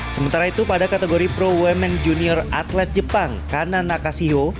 sementara itu pada kategori pro women junior atlet jepang kanan nakasio